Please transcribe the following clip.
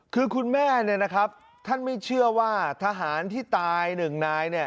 คือคุณแม่ท่านไม่เชื่อว่าทหารที่ตายหนึ่งนาย